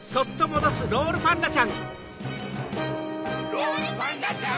ロールパンナちゃん！